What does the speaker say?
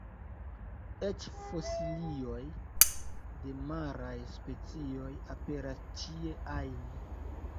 Eĉ fosilioj de maraj specioj aperas ĉie ajn.